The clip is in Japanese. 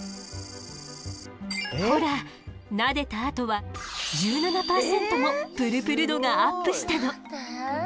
ほらなでたあとは１７％もプルプル度がアップしたの。